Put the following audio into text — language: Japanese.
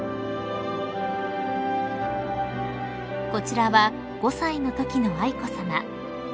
［こちらは５歳のときの愛子さま］